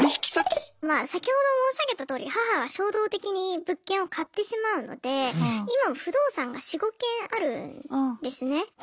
まあ先ほど申し上げたとおり母は衝動的に物件を買ってしまうので今不動産が４５軒あるんですね。